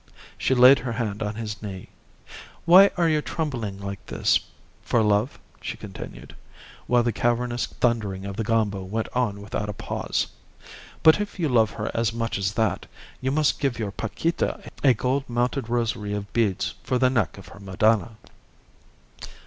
She laid her hand on his knee. "Why are you trembling like this? From love?" she continued, while the cavernous thundering of the gombo went on without a pause. "But if you love her as much as that, you must give your Paquita a gold mounted rosary of beads for the neck of her Madonna."